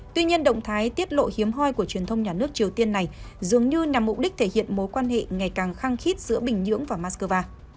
tuy nhiên động thái tiết lộ hiếm hoi của truyền thông nhà nước triều tiên này dường như nhằm mục đích thể hiện mối quan hệ ngày càng khăng khít giữa bình nhưỡng và moscow